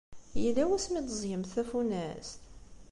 Yella wasmi i d-teẓẓgemt tafunast?